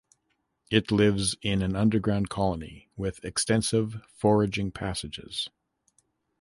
It lives in an underground colony with extensive foraging passages.